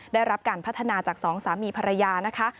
ได้รับการพัฒนาจากสองสามีภรรยานะคะ